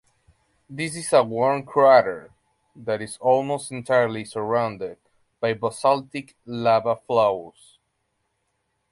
This is a worn crater that is almost entirely surrounded by basaltic lava flows.